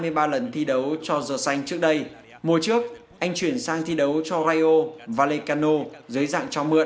tại đây gazzaniga đã có hai mươi ba lần thi đấu cho giờ xanh trước đây mùa trước anh chuyển sang thi đấu cho rayo vallecano dưới dạng chóng mượn